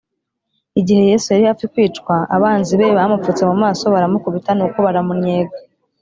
Igihe Yesu yari hafi kwicwa, abanzi be bamupfutse mu maso, baramukubita, nuko baramunnyega